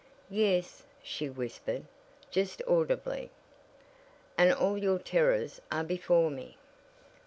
"Yes," she whispered, just audibly. "And all your terrors are before me."